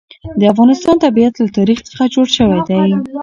د افغانستان طبیعت له تاریخ څخه جوړ شوی دی.